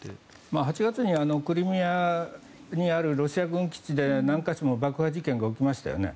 ８月にクリミアにあるロシア軍基地で何か所も爆破事件が起きましたよね。